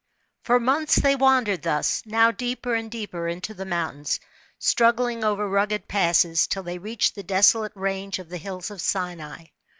For months they wandered thus, now deeper and deeper into the mountains, struggling over rugged passes, till they reached the desolate range of the hills of Sinai.